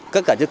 các cả chức ký